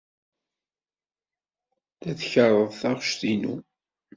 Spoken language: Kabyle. La tkerreḍ taɣect-inu.